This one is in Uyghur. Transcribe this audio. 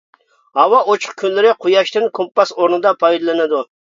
ھاۋا ئوچۇق كۈنلىرى قۇياشتىن كومپاس ئورنىدا پايدىلىنىدۇ.